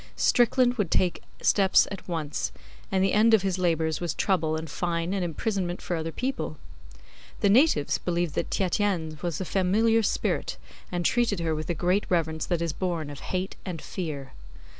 Strickland would take steps at once, and the end of his labours was trouble and fine and imprisonment for other people. The natives believed that Tietjens was a familiar spirit, and treated her with the great reverence that is born of hate and fear.